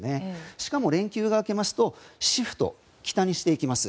しかも連休が明けるとシフト、北にしていきます。